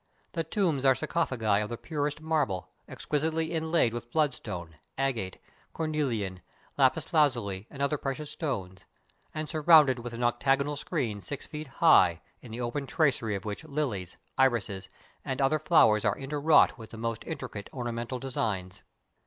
The tombs are sarcophagi of the purest marble, exqui sitely inlaid with bloodstone, agate, cornelian, lapis lazuli, and other precious stones, and surrounded with an octagonal screen six feet high, in the open tracery of which lilies, irises, and other flowers are interwrought with the most intricate ornamental designs.